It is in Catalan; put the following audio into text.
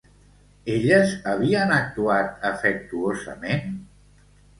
Elles havien actuat afectuosament?